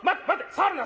触るな！